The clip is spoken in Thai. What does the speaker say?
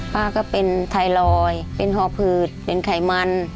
ป้าก็เป็นไทรอยด์เป็นห่อผืดเป็นไขมัน